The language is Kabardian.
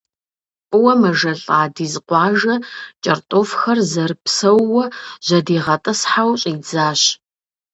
ФӀыуэ мэжэлӀа Дизкъуажэ кӀэртӀофхэр зэрыпсэууэ жьэдигъэтӀысхьэу щӀидзащ.